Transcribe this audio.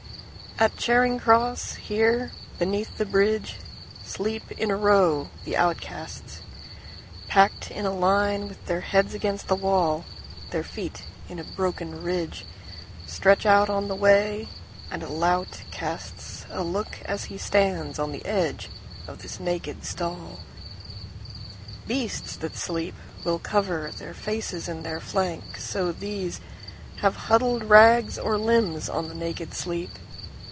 At Charing Cross, here, beneath the bridgeSleep in a row the outcasts, Packed in a line with their heads against the wall. Their feet, in a broken ridgeStretch out on the way, and a lout castsA look as he stands on the edge of this naked stall. Beasts that sleep will coverTheir faces in their flank; so theseHave huddled rags or limbs on the naked sleep.